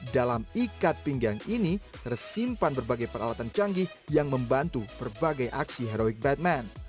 dalam ikat pinggang ini tersimpan berbagai peralatan canggih yang membantu berbagai aksi heroik batman